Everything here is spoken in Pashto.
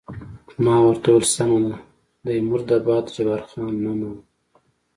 ما ورته وویل: سمه ده، دی مرده باد، جبار خان: نه، نه.